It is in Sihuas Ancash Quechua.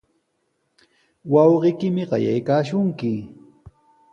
Wawqiykimi qayaykaashunki.